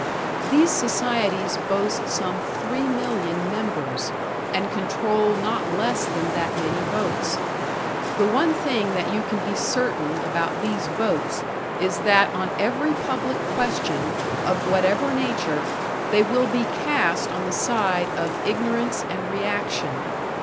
These societies boast some three million members, and control not less than that many votes. The one thing that you can be certain about these votes is that on every public question, of whatever nature, they will be cast on the side of ignorance and reaction.